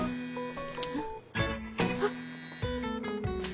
あっ！